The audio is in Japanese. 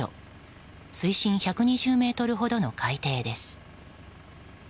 水深１２０ｍほどの海底です。